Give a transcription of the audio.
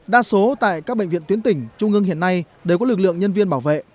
đa số tại các bệnh viện tuyến tỉnh trung ương hiện nay đều có lực lượng nhân viên bảo vệ